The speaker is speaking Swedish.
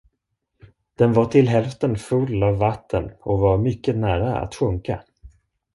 Den var till hälften full av vatten och var mycket nära att sjunka.